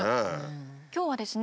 今日はですね